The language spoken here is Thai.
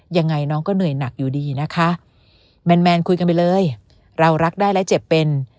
ยังไงน้องก็เหนื่อยหนักอยู่ดีนะคะแมนคุยกันไปเลยเรารักได้และเจ็บเป็น